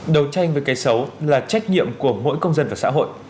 đầu tranh về cái xấu là trách nhiệm của mỗi công dân và xã hội